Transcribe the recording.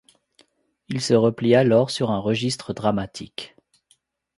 Il se replie alors sur un registre dramatique.